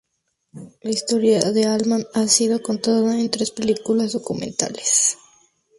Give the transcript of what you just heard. La historia de Altmann ha sido contada en tres películas documentales.